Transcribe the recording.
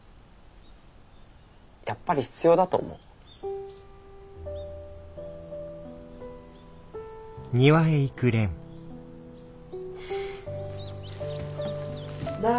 やっぱり必要だと思う。なあ？